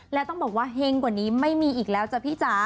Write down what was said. และต้องบอกว่าเฮงกว่านี้ไม่มีอีกแล้วจ้ะพี่จ๋า